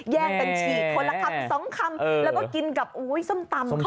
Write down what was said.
แย่งเป็นฉี่คนละครับ๒คำ